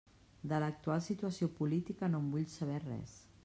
De l'actual situació política no en vull saber res.